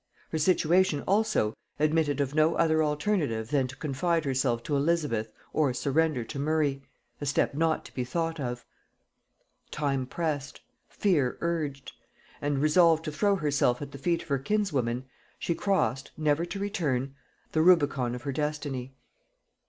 Her situation, also, admitted of no other alternative than to confide herself to Elizabeth or surrender to Murray, a step not to be thought of. Time pressed; fear urged; and resolved to throw herself at the feet of her kinswoman, she crossed, never to return, the Rubicon of her destiny.